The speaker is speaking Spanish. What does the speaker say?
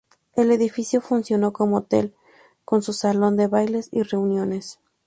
El edificio funcionó como hotel, con su salón de bailes y reuniones.